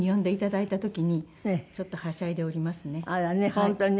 本当にね